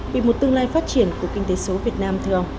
về một tương lai phát triển của kinh tế số việt nam thường